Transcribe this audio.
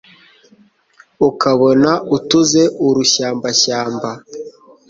Ukabona utuze urushyambashyamba